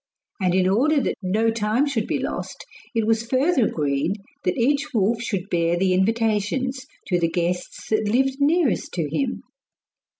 And in order that no time should be lost it was further agreed that each wolf should bear the invitations to the guests that lived nearest to him.